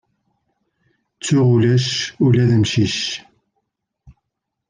Tuɣ ulac ula d amcic.